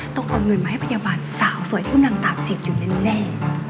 ต้องเอาเงินมาให้พยาบาลสาวสวยที่กำลังตามจิตอยู่แน่